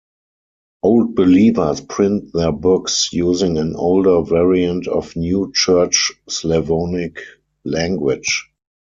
Old Believers print their books using an older variant of New Church Slavonic language.